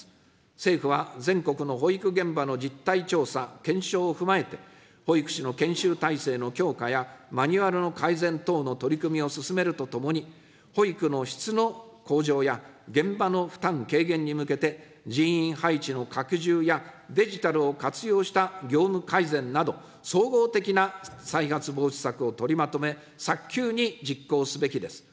政府は全国の保育現場の実態調査・検証を踏まえて、保育士の研修体制の強化やマニュアルの改善等の取り組みを進めるとともに、保育の質の向上や、現場の負担軽減に向けて、人員配置の拡充や、デジタルを活用した業務改善など、総合的な再発防止策を取りまとめ、早急に実行すべきです。